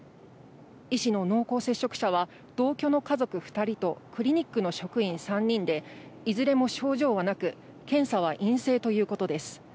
医師の濃厚接触者は同居の家族２人とクリニックの職員３人で、いずれも症状はなく、検査は陰性ということです。